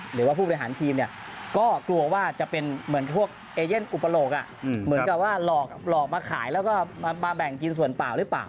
หรือว่าผู้บริหารทีมเนี่ยก็กลัวว่าจะเป็นเหมือนพวกเอเย่นอุปโลกเหมือนกับว่าหลอกมาขายแล้วก็มาแบ่งกินส่วนเปล่าหรือเปล่า